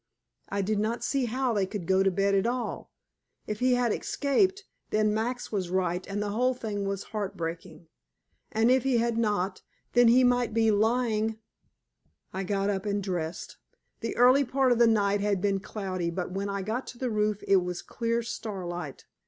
I did not see how they could go to bed at all. If he had escaped, then Max was right and the whole thing was heart breaking. And if he had not, then he might be lying I got up and dressed. The early part of the night had been cloudy, but when I got to the roof it was clear starlight.